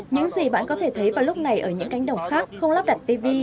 những gì bạn có thể thấy vào lúc này ở những cánh đồng khác không lắp đặt tv